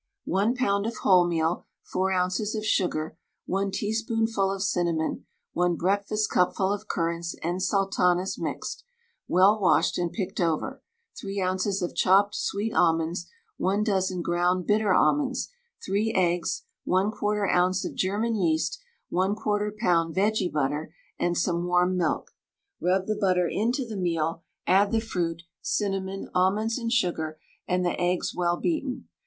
1 lb. of wholemeal, 4 oz. of sugar, 1 teaspoonful of cinnamon, 1 breakfastcupful of currants and sultanas mixed, well washed and picked over, 3 oz. of chopped sweet almonds, 1 dozen ground bitter almonds, 3 eggs, 1/4 oz. of German yeast, 1/4 lb. Vegebutter, and some warm milk. Rub the butter into the meal, add the fruit, cinnamon, almonds and sugar, and the eggs well beaten.